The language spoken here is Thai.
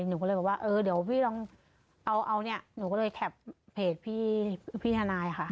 หนูก็เลยบอกว่าเออเดี๋ยวพี่ลองเอาเนี่ยหนูก็เลยแคปเพจพี่ทนายค่ะ